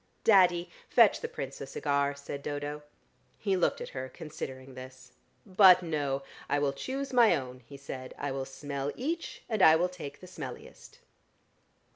"Daddy, fetch the Prince a cigar," said Dodo. He looked at her, considering this. "But, no; I will choose my own," he said. "I will smell each, and I will take the smelliest."